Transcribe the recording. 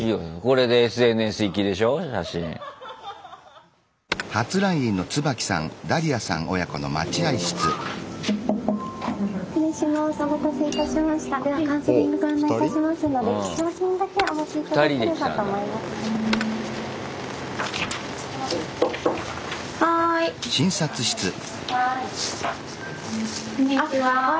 こんにちは。